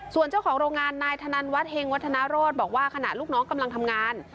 ส่วนเจ้าของโรงงานนายธนันวัดเฮงวัฒนาโรธบอกว่าขณะลูกน้องกำลังทำงาน